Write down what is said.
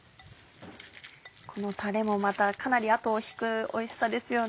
このたれもまたかなり後を引くおいしさですよね。